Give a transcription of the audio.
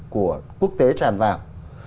của quốc tế tràn vào